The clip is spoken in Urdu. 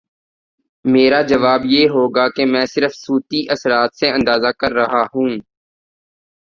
میرا جواب یہ ہو گا کہ میں صرف صوتی اثرات سے اندازہ کر رہا ہوں۔